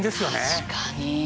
確かに。